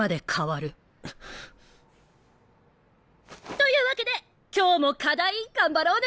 というわけで今日も課題頑張ろうね！